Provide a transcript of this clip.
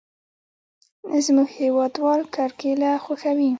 زموږ هېوادوال کرکېله خوښوي.